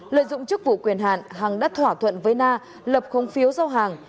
lợi dụng chức vụ quyền hạn hằng đã thỏa thuận với na lập không phiếu giao hàng